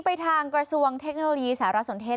ไปทางกระทรวงเทคโนโลยีสารสนเทศ